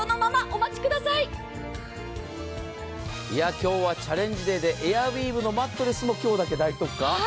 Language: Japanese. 今日はチャレンジデーでエアウィーヴのマットレスも今日だけ大特価。